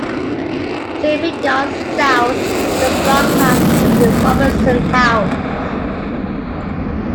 Several yards south of the Block House is the Robinson House.